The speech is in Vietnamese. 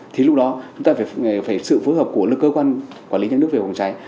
thì lúc đó chúng ta phải sự phối hợp của cơ quan quản lý nhà nước về phòng cháy